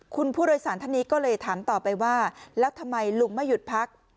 คุณผู้โดยสารท่านนี้ก็เลยถามต่อไปว่าแล้วทำไมลุงไม่หยุดพัก